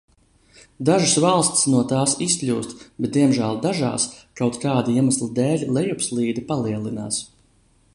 Dažas valstis no tās izkļūst, bet diemžēl dažās kaut kāda iemesla dēļ lejupslīde palielinās.